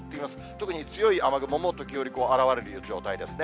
特に強い雨雲も時折、現れる状態ですね。